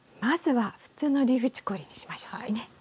まずは普通のリーフチコリーにしましょうかね。